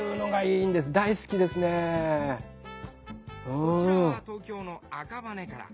こちらは東京の赤羽から。